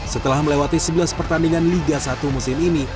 setelah melewati sebelas pertandingan liga satu musim ini